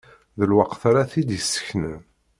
D lwaqt ara t-id-iseknen.